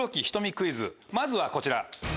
クイズまずはこちら。